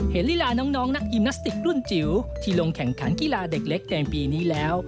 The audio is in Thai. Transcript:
ลีลาน้องนักยิมนาสติกรุ่นจิ๋วที่ลงแข่งขันกีฬาเด็กเล็กในปีนี้แล้ว